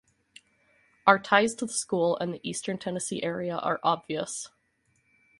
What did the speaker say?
Our ties to the school and the Eastern Tennessee area are obvious.